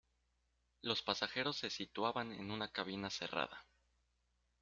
Los pasajeros se situaban en una cabina cerrada.